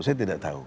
saya tidak tahu